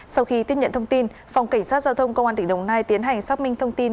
sau khi tiếp nhận thông tin phòng cảnh sát giao thông công an tỉnh đồng nai tiến hành xác minh thông tin